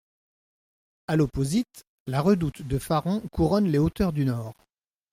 A l'opposite, la redoute de Faron couronne les hauteurs du nord.